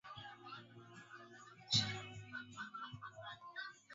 dunia ikatikisika huko marekani ikitajwa kama chanzo ya kukamatwa